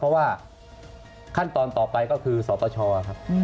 เพราะว่าขั้นตอนต่อไปก็คือสปชครับ